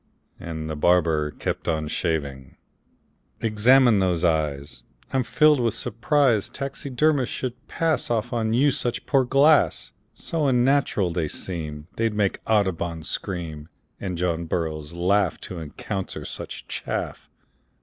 And the barber kept on shaving. "Examine those eyes. I'm filled with surprise Taxidermists should pass Off on you such poor glass; So unnatural they seem They'd make Audubon scream, And John Burroughs laugh To encounter such chaff.